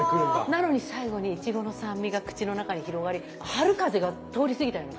なのに最後にイチゴの酸味が口の中に広がり春風が通り過ぎたような。